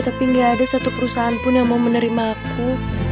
tapi gak ada satu perusahaan pun yang mau menerima aku